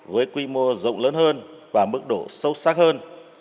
với quy mô rộng lớn hơn và mức độ sâu sắc hơn